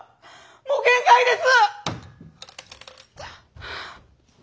もう限界です！